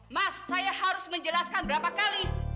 mas saya harus menjelaskan berapa kali